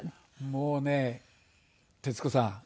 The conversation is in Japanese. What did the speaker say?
もうね徹子さん